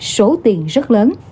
số tiền rất lớn